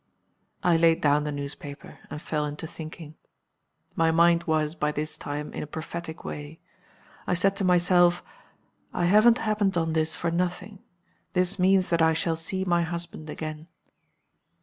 I laid down the newspaper; and fell into thinking. My mind was, by this time, in a prophetic way. I said to myself 'I haven't happened on this for nothing: this means that I shall see my husband again.